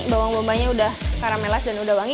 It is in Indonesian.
bawang bombanya udah karamelas dan udah wangi